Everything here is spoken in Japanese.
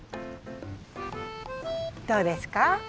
どうですか？